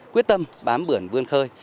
quyết tâm bám bưởn vươn khơi